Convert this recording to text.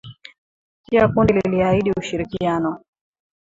Pia kundi liliahidi ushirikiano